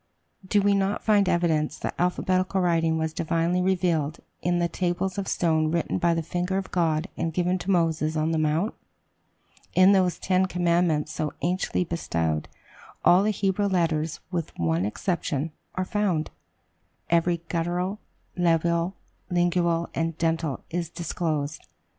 Do we not find evidence, that alphabetical writing was divinely revealed, in the tables of stone written by the finger of God and given to Moses on the Mount? In those ten commandments so anciently bestowed, all the Hebrew letters, with one exception, are found every guttural, labial, lingual, and dental is disclosed.